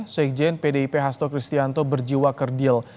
syekh jain pdip hasto kristianto berjiwa kerdil